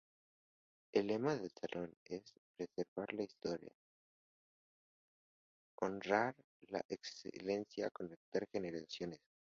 El lema del Salón es: "Preservar la historia, honrar la excelencia, conectar generaciones".